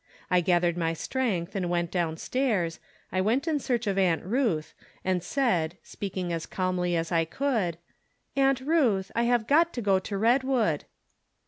I gathered my strength and went downstairs ; went in search of Aunt Ruth, and said, spealdng as calmly as I could: " Aunt Ruth, I have got to go to Redwood."